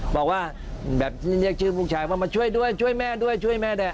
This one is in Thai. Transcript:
บอกว่าแบบเรียกชื่อลูกชายว่ามาช่วยด้วยช่วยแม่ด้วยช่วยแม่ด้วย